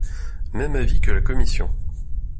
Même avis que la commission.